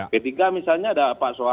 ketiga misalnya ada pak sohar